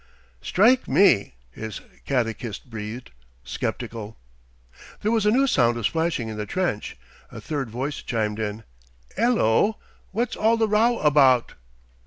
"Strike me!" his catechist breathed, skeptical. There was a new sound of splashing in the trench. A third voice chimed in: "'Ello? Wot's all the row abaht?"